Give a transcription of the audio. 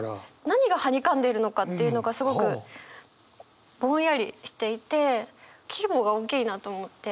何がはにかんでいるのかっていうのがすごくぼんやりしていて規模が大きいなと思って。